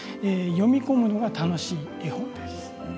読み込むのが楽しい絵本です。